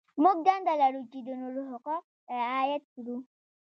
موږ دنده لرو چې د نورو حقوق رعایت کړو.